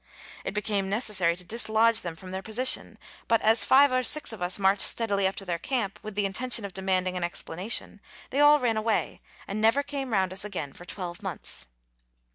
It became necessary to dislodge them from their position, but, as five or six of us marched steadily up to their camp, with the intention of demanding an explanation, they all ran away, and never came round us again fcr twelve months.